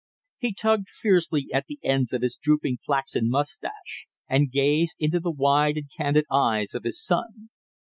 He tugged fiercely at the ends of his drooping flaxen mustache and gazed into the wide and candid eyes of his son.